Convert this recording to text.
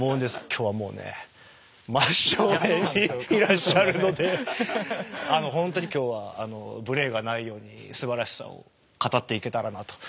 今日はもうね真っ正面にいらっしゃるのであのほんとに今日は無礼がないようにすばらしさを語っていけたらなと。